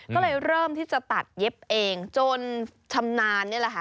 ก็เลยเริ่มที่จะตัดเย็บเองจนชำนาญนี่แหละค่ะ